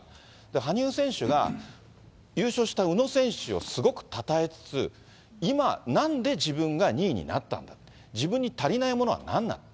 羽生選手が、優勝した宇野選手をすごくたたえつつ、今、なんで自分が２位になったのか、自分に足りないものは何なのか。